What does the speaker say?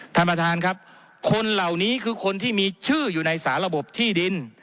ท่านประธานครับคนเหล่านี้คือคนที่มีชื่ออยู่ในสาระบบที่ดิน